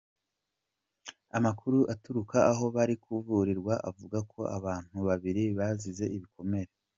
Amakuru aturuka aho bari kuvurirwa avuga ko abantu babiri bazize ibikomere.